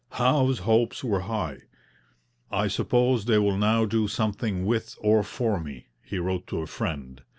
Howe's hopes were high. 'I suppose they will now do something with or for me,' he wrote to a friend.